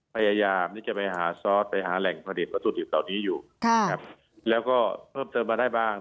พยายามที่จะไปหาซอสไปหาแหล่งผลิตวัตถุดิบเหล่านี้อยู่นะครับแล้วก็เพิ่มเติมมาได้บ้าง